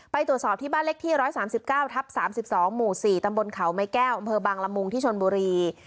ไปตรวจสอบที่บ้านเล็กที่๑๓๙ทับ๓๒หมู่๔ตำบลเขาไม้แก้วอำเภอบางละมุงที่ชนบุรี